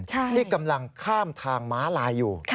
ที่กำลังข้ามทางม้าลายอยู่